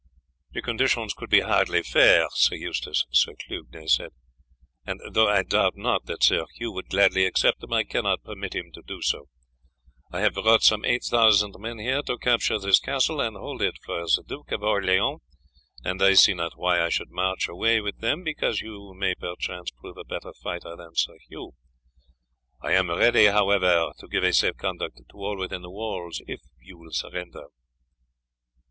"The conditions would be hardly fair, Sir Eustace," Sir Clugnet said; "and though I doubt not that Sir Hugh would gladly accept them, I cannot permit him to do so. I have brought some eight thousand men here to capture this castle, and hold it for the Duke of Orleans, and I see not why I should march away with them because you may perchance prove a better fighter than Sir Hugh. I am ready, however, to give a safe conduct to all within the walls if you will surrender."